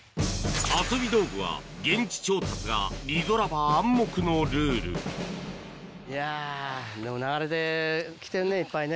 遊び道具は現地調達がリゾラバ暗黙のルールいやでも流れてきてるねいっぱいね。